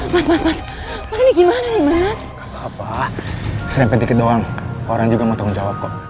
mas mas ini gimana nih mas apa serempet dikit doang orang juga mau tanggung jawab kok